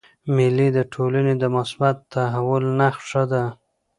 مېلې د ټولني د مثبت تحول نخښه ده.